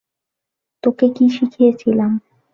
তোকে কী শিখিয়েছিলাম?